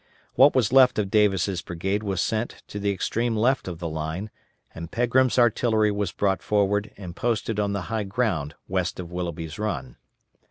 What was left of Davis' brigade was sent to the extreme left of the line, and Pegram's artillery was brought forward and posted on the high ground west of Willoughby's Run.